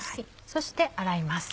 そして洗います。